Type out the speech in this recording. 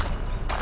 え？